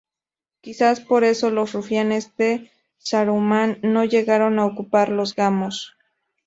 Quizás por eso los rufianes de Saruman no llegaron a ocupar los Gamos.